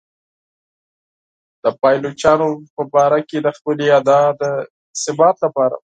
د پایلوچانو په باره کې د خپلې ادعا د اثبات لپاره.